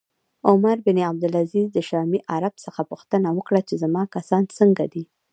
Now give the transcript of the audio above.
عمر بن عبدالعزیز د شامي عرب څخه پوښتنه وکړه چې زما کسان څنګه دي